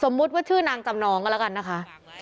ว่าชื่อนางจำนองก็แล้วกันนะคะ